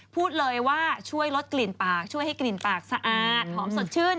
พูดเลยว่าช่วยลดกลิ่นปากช่วยให้กลิ่นปากสะอาดหอมสดชื่น